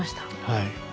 はい。